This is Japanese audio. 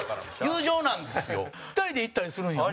陣内：２人で行ったりするんよね。